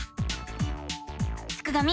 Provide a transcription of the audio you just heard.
すくがミ